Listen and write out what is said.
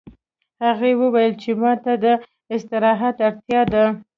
هغې وویل چې ما ته د استراحت اړتیا ده